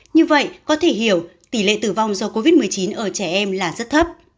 như vậy có thể hiểu tỷ lệ tử vong do covid một mươi chín ở trẻ em là rất thấp